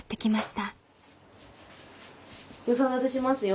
予算立てしますよ